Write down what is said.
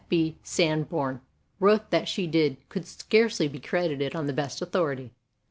F. B. Sanborn wrote that what she did "could scarcely be credited on the best authority."